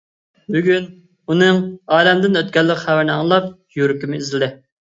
بۈگۈن ئۇنىڭ ئالەمدىن ئۆتكەنلىك خەۋىرىنى ئاڭلاپ، يۈرىكىم ئېزىلدى.